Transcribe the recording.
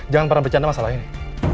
jangan pernah bercanda masalah ini